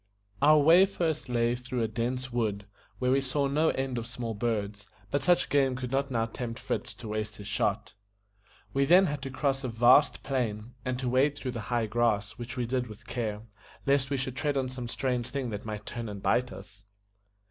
Our way first lay through a dense wood, where we saw no end of small birds, but such game could not now tempt Fritz to waste his shot. We then had to cross a vast plain, and to wade through the high grass, which we did with care, lest we should tread on some strange thing that might turn and bite us.